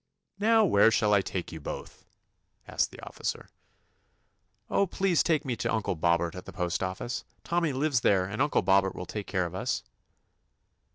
*'Now where shall I take you both^" asked the officer. "Oh, please take me to Uncle Bob bert at the postoffice. Tommy lives there, and Uncle Bobbert will take care of us.'